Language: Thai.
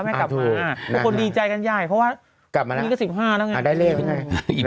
แม่กลับมาทุกคนดีใจกันใหญ่เพราะว่านี่ก็สิบห้าแล้วไง